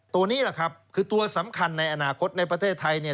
ตัวนี้แหละครับคือตัวสำคัญในอนาคตในประเทศไทยเนี่ย